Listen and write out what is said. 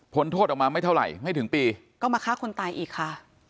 โทษออกมาไม่เท่าไหร่ไม่ถึงปีก็มาฆ่าคนตายอีกค่ะ